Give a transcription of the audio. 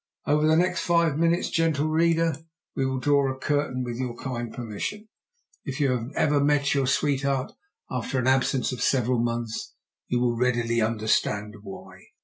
Over the next five minutes, gentle reader, we will draw a curtain with your kind permission. If you have ever met your sweetheart after an absence of several months, you will readily understand why!